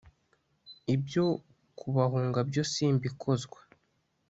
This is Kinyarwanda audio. ibyo kubahunga byo simbikozwa